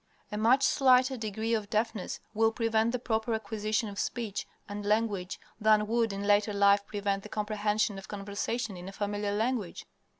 A much slighter degree of deafness will prevent the proper acquisition of speech and language than would in later life prevent the comprehension of conversation in a familiar language.